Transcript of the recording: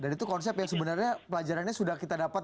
dan itu konsep yang sebenarnya pelajarannya sudah kita dapat